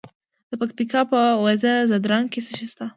د پکتیا په وزه ځدراڼ کې څه شی شته؟